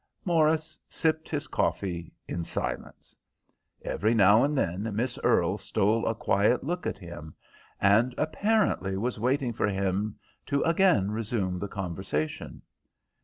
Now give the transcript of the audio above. Morris sipped his coffee in silence. Every now and then Miss Earle stole a quiet look at him, and apparently was waiting for him to again resume the conversation.